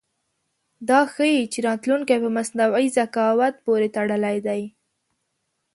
دا ښيي چې راتلونکی په مصنوعي ذکاوت پورې تړلی دی.